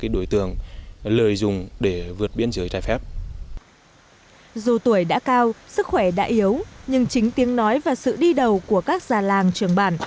dù tuổi đã cao sức khỏe đã yếu nhưng chính tiếng nói và sự đi đầu của các già làng trưởng bản